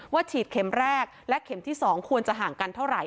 ฉีดเข็มแรกและเข็มที่๒ควรจะห่างกันเท่าไห